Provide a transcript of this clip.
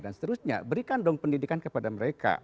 dan seterusnya berikan dong pendidikan kepada mereka